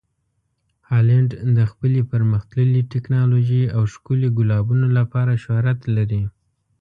هالنډ د خپلې پرمخ تللې ټکنالوژۍ او ښکلي ګلابونو لپاره شهرت لري.